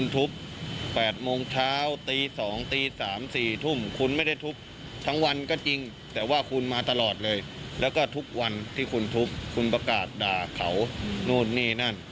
ที่คุณทุบคุณประกาศด่าเขานู่นนี่นั่น